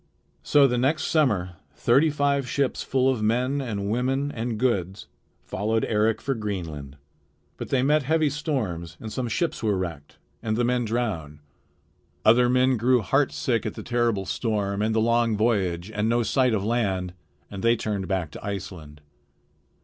So the next summer thirty five ships full of men and women and goods followed Eric for Greenland. But they met heavy storms, and some ships were wrecked, and the men drowned. Other men grew heartsick at the terrible storm and the long voyage and no sight of land, and they turned back to Iceland.